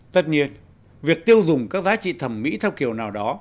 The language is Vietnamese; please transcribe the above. tất nhiên việc tiêu dùng các giá trị thẩm mỹ theo kiểu nào đó